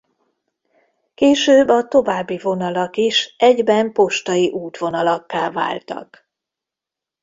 Később a további vonalak is egyben postai útvonalakká váltak.